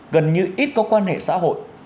gần như ít có quan hệ xã hội